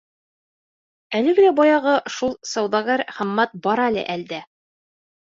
Әлеге лә баяғы, шул сауҙагәр Хаммат бар әле әлдә.